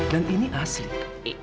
dan ini asli